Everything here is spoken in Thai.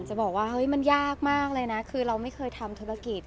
จะบอกว่าเฮ้ยมันยากมากเลยนะคือเราไม่เคยทำธุรกิจ